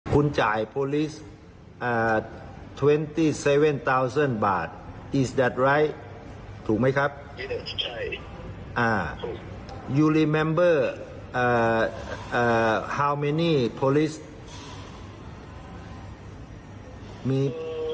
มีตำรวจหนึ่งคนแน่นว่ามีสองคนเอ่อขึ้นไปขึ้นมาก็มันว่าใช้นิดหน่อยแล้วก็ออกไปทำงานแบบนี้